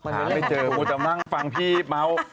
หาไม่เจอมึงจะมั่งฟังพี่เมาส์